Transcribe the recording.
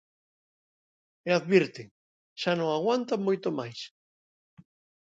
E advirten: xa non aguantan moito máis.